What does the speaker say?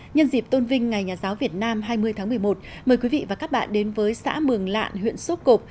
nhân dịp tôn vinh ngày nhà giáo việt nam hai mươi tháng một mươi một mời quý vị và các bạn đến với xã mường lạn huyện sốp cộp